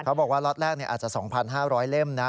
เขาบอกว่าล็อตแรกอาจจะ๒๕๐๐เล่มนะ